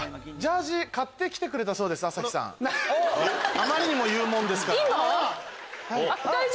あまりにも言うもんですから。